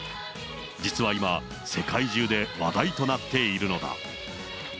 実は今、世界中で話題となっているのだ。